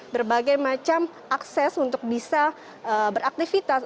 berbagai macam akses untuk bisa beraktivitas